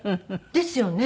ですよね。